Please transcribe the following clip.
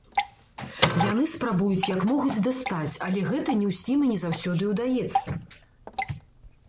Яны спрабуюць як могуць дастаць, але гэта не ўсім і не заўсёды ўдаецца.